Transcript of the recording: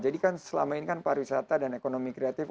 jadi kan selama ini kan pariwisata dan ekonomi kreatif